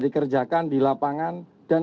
dikerjakan di lapangan dan